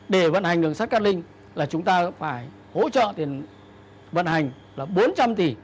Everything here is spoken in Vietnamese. để vận hành đường sắt cát linh là chúng ta phải hỗ trợ tiền vận hành là bốn trăm linh tỷ